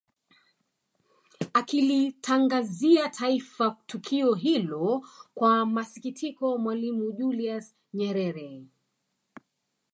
Akilitangazia Taifa tukio hilo kwa masikitiko Mwalimu Julius Nyerere